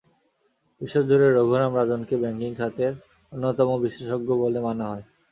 বিশ্বজুড়ে রঘুরাম রাজনকে ব্যাংকিং খাতের একজন অন্যতম বিশেষজ্ঞ বলে মানা হয়।